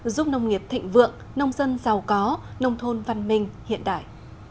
giúp nông nghiệp thịnh vượng nông dân giàu có nông thôn văn minh hiện đại